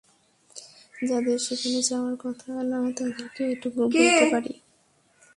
যাদের সেখানে যাওয়ার কথা না, তাদেরকে, এটুকু বলতে পারি।